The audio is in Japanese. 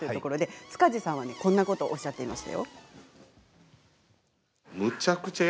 塚地さんはこんなことをおっしゃっていました。